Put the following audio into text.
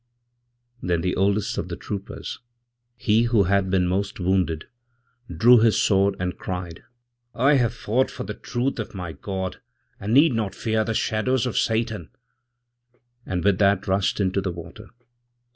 Then the oldest of the troopers, he who hadbeen most often wounded, drew his sword and cried: 'I have fought forthe truth of my God, and need not fear the shadows of Satan,' andwith that rushed into the water.